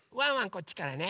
こっちからね。